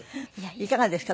いかがですか？